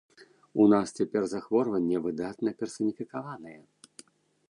У нас цяпер захворванне выдатна персаніфікаванае.